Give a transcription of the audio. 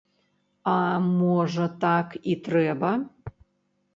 А, можа, так і трэба?